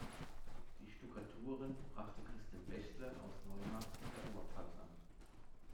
Die Stuckaturen brachte Christian Bechtle aus Neumarkt in der Oberpfalz an.